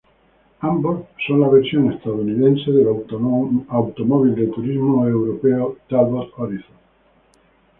Ambos son la versión estadounidense del automóvil de turismo europeo Talbot Horizon.